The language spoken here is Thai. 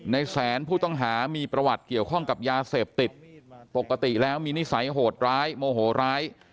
ในแสนผู้ต้องหามีประวัติเกี่ยวข้องกับยาเสพติดปกติแล้วมีนิสัยโหดร้ายโมโหร้าย